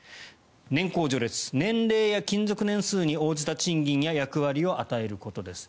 年功序列年齢や勤続年数に応じた賃金や役割を与えることです。